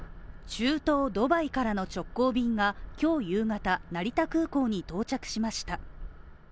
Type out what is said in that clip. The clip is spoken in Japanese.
中東ドバイからの直航便が今日夕方、成田空港に到着しました。